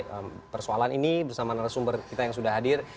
saya akan mendiskusikan persoalan ini bersama sumber kita yang sudah hadir